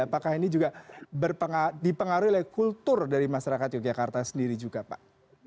apakah ini juga dipengaruhi oleh kultur dari masyarakat yogyakarta sendiri juga pak